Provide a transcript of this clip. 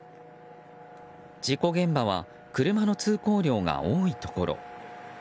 事故現場は車の通行量が多いところ。